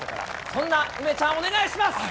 そんな梅ちゃん、お願いします。